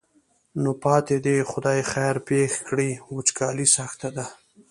نو پاتې دې خدای خیر پېښ کړي وچکالي سخته ده.